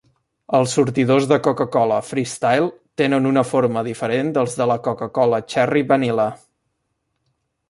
Els sortidors de Coca-Cola Freestyle tenen una forma diferent dels de la Coca-Cola Cherry Vanilla.